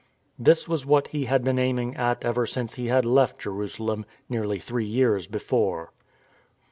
This was what he had been aiming at ever since he had left Jerusalem, nearly three years before.